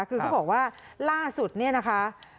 คือเขาบอกว่าล่าสุดเนี่ยนะคะ